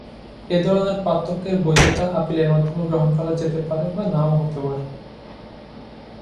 এ ধরনের পার্থক্যের বৈধতা আপিলের মাধ্যমে গ্রহণ করা যেতে পারে বা নাও হতে পারে।